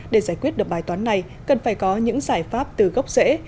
để giải quyết được bài toán này cần phải có những giải pháp từ gốc rễ